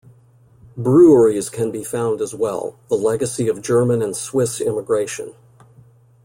Breweries can be found as well, the legacy of German and Swiss immigration.